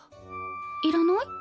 いらない？